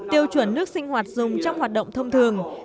tiêu chuẩn nước sinh hoạt dùng trong hoạt động thông thường